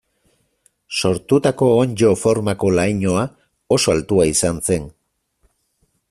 Sortutako onddo formako lainoa oso altua izan zen.